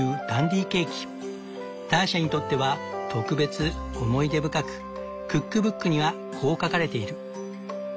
ターシャにとっては特別思い出深くクックブックにはこう書かれている。